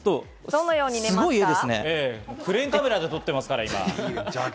クレーンカメラで撮ってますから。